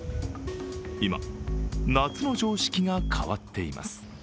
今、夏の常識が変わっています。